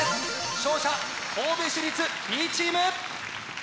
勝者神戸市立Ｂチーム！